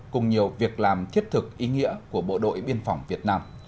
cùng nhiều việc làm thiết thực ý nghĩa của bộ đội biên phòng việt nam